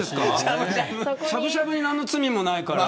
しゃぶしゃぶに何の罪もないから。